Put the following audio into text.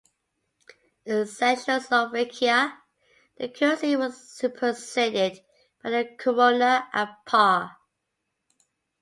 In Czechoslovakia the currency was superseded by the koruna, at par.